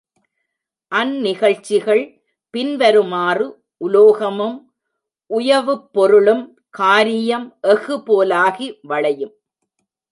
அந்நிகழ்ச்சிகள் பின்வருமாறு உலோகமும் உயவுப் பொருளும் காரீயம் எஃகு போலாகி வளையும்.